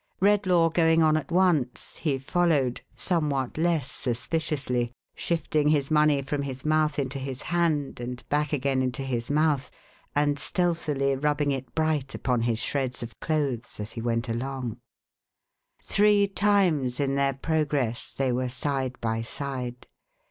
Redlaw going on at once, he followed, somewhat less suspiciously ; shifting his money from his mouth into his hand, and back again into his mouth, and stealthily rubbing it bright upon his shreds of clothes, as he went along. Three times, in their progress, they were side by side.